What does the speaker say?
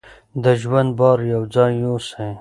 د ژوند بار یو ځای یوسئ.